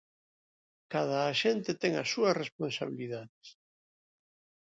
Cada axente ten as súas responsabilidades.